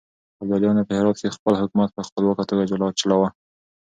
ابداليانو په هرات کې خپل حکومت په خپلواکه توګه چلاوه.